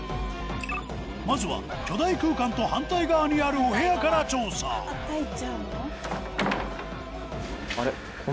まずは巨大空間と反対側にあるお部屋から調査あれ？